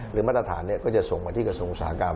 หรือมาตรฐานก็จะส่งมาที่กระทรวงสหากรรม